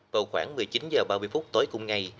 vào khoảng một mươi chín h ba mươi phút tối cùng ngày